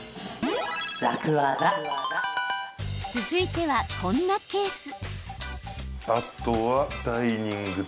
続いては、こんなケース。